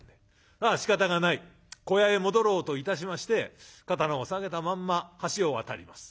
まあしかたがない小屋へ戻ろうといたしまして刀を提げたまんま橋を渡ります。